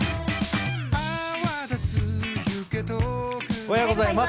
おはようございます。